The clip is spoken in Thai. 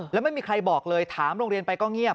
แล้วไม่มีใครบอกเลยถามโรงเรียนไปก็เงียบ